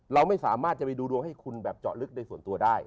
เราไม่สามารถจะไปดูดวงให้คุณแบบเจาะลึกในส่วนตัวได้